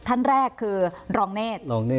ท่านแรกคือรองเนศรองเนศ